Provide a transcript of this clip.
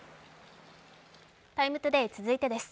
「ＴＩＭＥ，ＴＯＤＡＹ」続いてです。